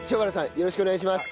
よろしくお願いします。